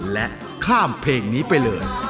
และข้ามเพลงนี้ไปเลย